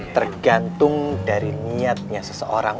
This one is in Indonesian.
tergantung dari niatnya seseorang